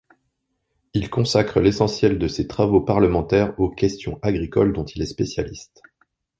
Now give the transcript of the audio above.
Il consacre l'essentiel de ses travaux parlementaires aux questions agricoles dont il est spécialiste.